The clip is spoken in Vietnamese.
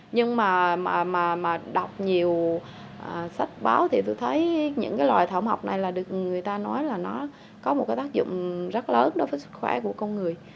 nhưng mà đọc nhiều sách báo thì tôi thấy những cái loài thảo mộc này là được người ta nói là nó có một cái tác dụng rất lớn đối với sức khỏe của con người